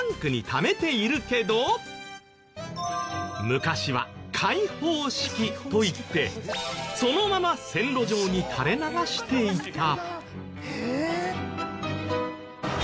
昔は開放式といってそのまま線路上に垂れ流していた。